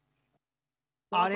あれ？